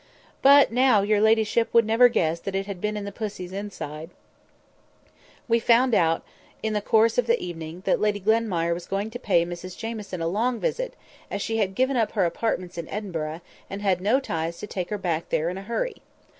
But now your ladyship would never guess that it had been in pussy's inside." [Picture: We gave her a teaspoonful of current jelly] We found out, in the course of the evening, that Lady Glenmire was going to pay Mrs Jamieson a long visit, as she had given up her apartments in Edinburgh, and had no ties to take her back there in a hurry.